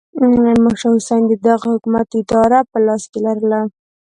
شاه حسین د دغه حکومت اداره په لاس کې لرله.